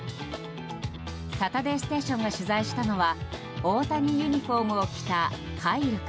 「サタデーステーション」が取材したのは大谷ユニホームを着たカイル君。